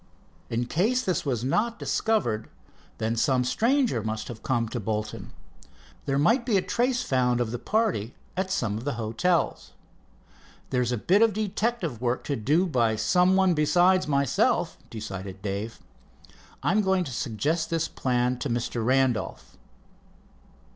In case this was not discovered then some stranger must have come to Bolton. There might be a trace found of the party at some of the hotels. "There's a bit of detective work to do by some one besides myself," decided Dave. "I'm going to suggest this plan to Mr. Randolph."